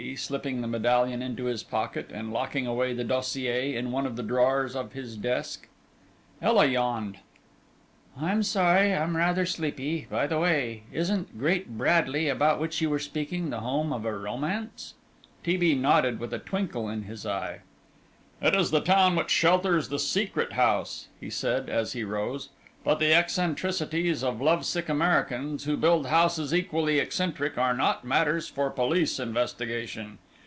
slipping the medallion into his pocket, and locking away the dossier in one of the drawers of his desk. Ela yawned. "I'm sorry I'm rather sleepy. By the way, isn't Great Bradley, about which you were speaking, the home of a romance?" T. B. nodded with a twinkle in his eye. "It is the town which shelters the Secret House," he said, as he rose, "but the eccentricities of lovesick Americans, who build houses equally eccentric, are not matters for police investigation.